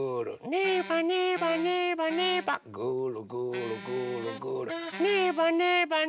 ねばねばねばねば。